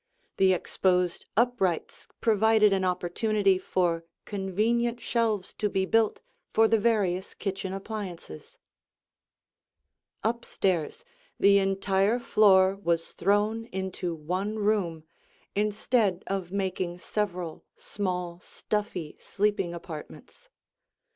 The exposed uprights provided an opportunity for convenient shelves to be built for the various kitchen appliances. [Illustration: The Attic Chamber] Up stairs the entire floor was thrown into one room, instead of making several small, stuffy, sleeping apartments.